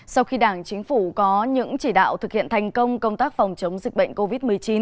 sau khi đảng chính phủ có những chỉ đạo thực hiện thành công công tác phòng chống dịch bệnh covid một mươi chín